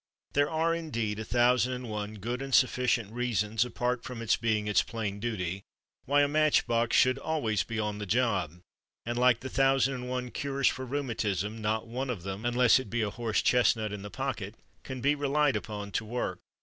There are indeed a thousand and one good and sufficient reasons (apart from its being its plain duty) why a match box should always be on the job, and like the thousand and one cures for rheumatism not one of them (unless it be a horse chestnut in the pocket) can be relied upon to work.